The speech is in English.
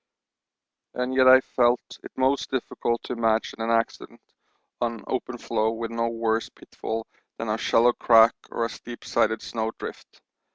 And yet I felt it most difficult to imagine an accident on open floe with no worse pitfall than a shallow crack or steep sided snow drift.